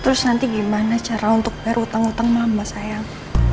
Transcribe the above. terus nanti gimana cara untuk bayar utang utang lama sayang